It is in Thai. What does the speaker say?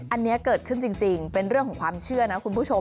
อันนี้เกิดขึ้นจริงเป็นเรื่องของความเชื่อนะคุณผู้ชม